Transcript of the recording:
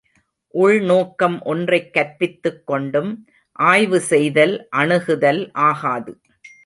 உள்நோக்கம் ஒன்றைக் கற்பித்துக் கொண்டும் ஆய்வு செய்தல் அணுகுதல் ஆகாது.